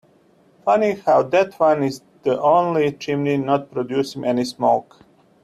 Funny how that one is the only chimney not producing any smoke.